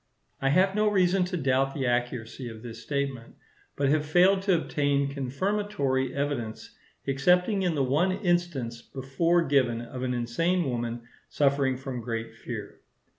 I have no reason to doubt the accuracy of this statement, but have failed to obtain confirmatory evidence, excepting in the one instance before given of an insane woman suffering from great fear.